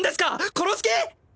殺す気！？